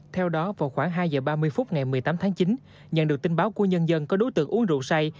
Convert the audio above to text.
theo đó vào khoảng hai h ba mươi phút ngày một mươi tám tháng chín nhận được tin báo của nhân dân có đối tượng uống rượu say